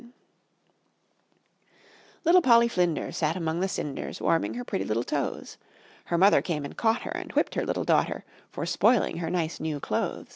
Little Polly Flinders Sat among the cinders Warming her pretty little toes; Her mother came and caught her, Whipped her little daughter For spoiling her nice new clothes.